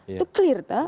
itu clear kan